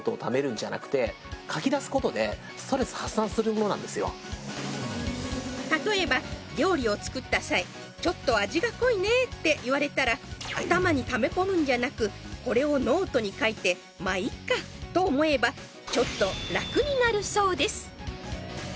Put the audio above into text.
このまいっか手帳っていうのは例えば料理を作った際「ちょっと味が濃いねー」って言われたら頭にためこむんじゃなくこれをノートに書いて「まいっか」と思えばなるそうです